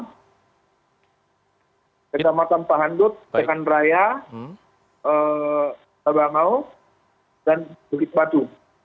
ketamatan pahandut tekan raya tabangau dan bukit batu